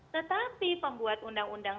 tetapi pembuat undang undang